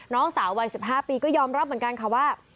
น้องสาววัย๑๕ปีก็ยอมรับเหมือนกันค่ะว่า